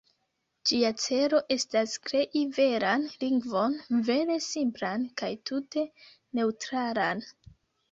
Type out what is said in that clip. Ĝia celo estas krei veran lingvon, vere simplan kaj tute neŭtralan.